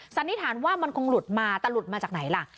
สันนิษฐานว่ามันคงหลุดมาแต่หลุดมาจากไหนล่ะ